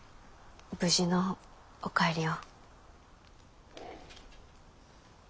無事のお帰りを。